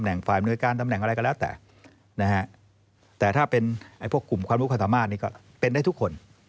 แล้วแต่นะฮะแต่ถ้าเป็นไอ้พวกกลุ่มความลูกความสามารถนี่ก็เป็นได้ทุกคน